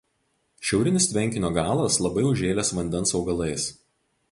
Šiaurinis tvenkinio galas labai užžėlęs vandens augalais.